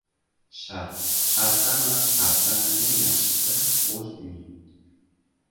• Sharqdami, g‘arbdami, eng yaxshisi — o‘z uying.